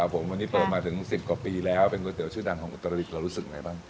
ผมวันนี้เปิดมาถึง๑๐กว่าปีแล้วเป็นก๋วเตี๋ชื่อดังของอุตรดิษฐ์เรารู้สึกอะไรบ้าง